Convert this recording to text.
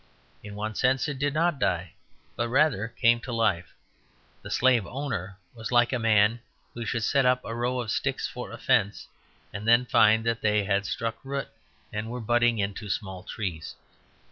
In one sense it did not die, but rather came to life. The slave owner was like a man who should set up a row of sticks for a fence, and then find they had struck root and were budding into small trees.